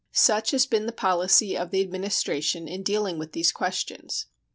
Such has been the policy of the Administration in dealing with these questions.